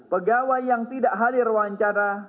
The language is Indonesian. pegawai yang tidak hadir wawancara